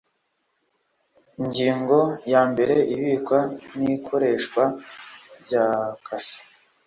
Ingingo ya mbere Ibikwa n ikoreshwa bya kashe